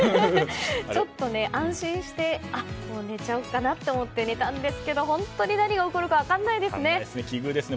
ちょっと安心して、もう寝ちゃおうかなと思って寝たんですけど本当に何が起こるか分からないですね。